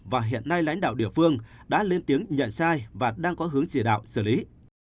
và hiện nay lãnh đạo địa phương đã lên tiếng nhận sai và đang có hướng chỉ đạo xử lý